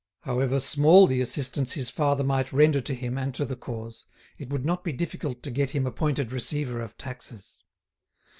However small the assistance his father might render to him and to the cause, it would not be difficult to get him appointed receiver of taxes.